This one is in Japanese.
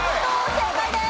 正解です。